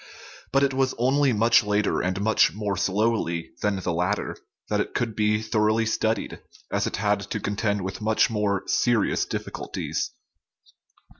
But it was only much later, and much more slowly, than the latter that it could be thoroughly studied, as it had to contend with much more serious difficulties.